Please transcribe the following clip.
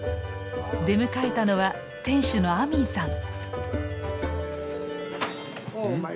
出迎えたのは店主のアミンさん。